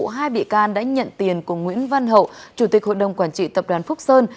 hai bị can đã nhận tiền của nguyễn văn hậu chủ tịch hội đồng quản trị tập đoàn phúc sơn